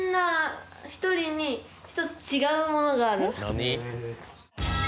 何？